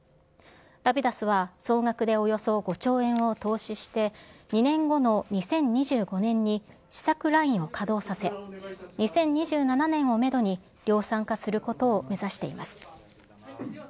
ラピダスは総額でおよそ５兆円を投資して、２年後の２０２５年に試作ラインを稼働させ、２０２７年をメドに量産化することを目指しています。